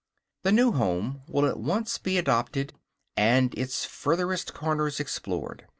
The new home will at once be adopted, and its furthest corners explored.